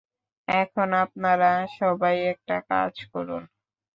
এখন আপনারা সবাই একটা কাজ করুন।